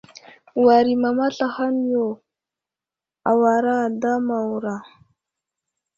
War i mama slahaŋ yo awara ada Mawra.